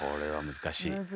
難しい。